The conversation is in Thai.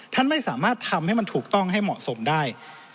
ท่านไม่สามารถทำให้มันถูกต้องให้เหมาะสมได้